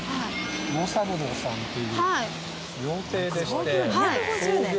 魚三楼さんっていう料亭でして創業